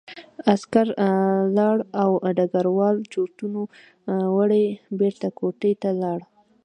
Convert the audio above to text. عسکر لاړ او ډګروال چورتونو وړی بېرته کوټې ته لاړ